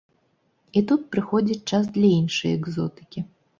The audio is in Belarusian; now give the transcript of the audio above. І тут прыходзіць час для іншай экзотыкі.